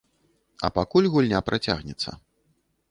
А пакуль гульня працягнецца.